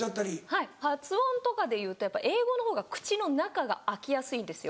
はい発音とかでいうと英語の方が口の中が開きやすいんですよ。